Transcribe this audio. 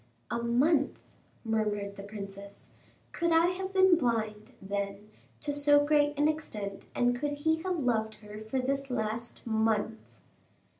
"A month!" murmured the princess; "could I have been blind, then, to so great an extent, and could he have loved her for this last month?"